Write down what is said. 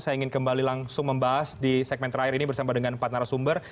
saya ingin kembali langsung membahas di segmen terakhir ini bersama dengan empat narasumber